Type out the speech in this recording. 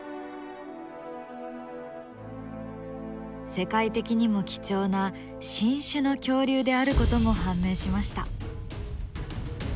世界的にも貴重な新種の恐竜であることも判明しました。